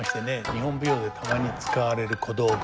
日本舞踊でたまに使われる小道具。